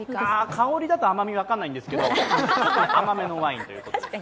香りだと甘みが分からないんですが甘めのワインということで。